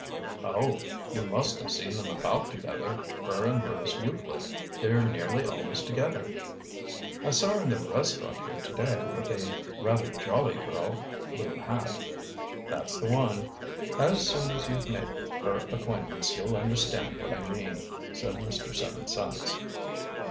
"Oh! You must have seen them about together her and Rose Euclid. They're nearly always together." "I saw her in the restaurant here to day with a rather jolly girl blue hat." "That's the one. As soon as you've made her acquaintance you'll understand what I mean," said Mr. Seven Sachs.